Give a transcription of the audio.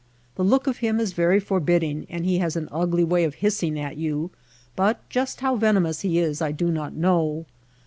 The look of him is very forbidding and he has an ugly way of hissing at you ; but just how venomous he is I do not know.